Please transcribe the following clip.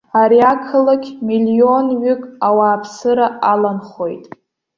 Ари ақалақь миллионҩык ауааԥсыра аланхоит.